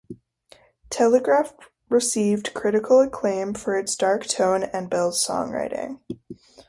"Telegraph" received critical acclaim for its dark tone and Bell's songwriting.